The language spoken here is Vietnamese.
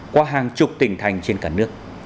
qua hàng chục tỉnh thành trên cả nước